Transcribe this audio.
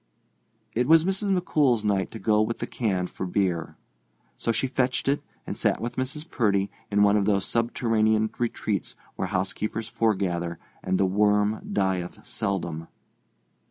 It was Mrs. McCool's night to go with the can for beer. So she fetched it and sat with Mrs. Purdy in one of those subterranean retreats where house keepers foregather and the worm dieth seldom.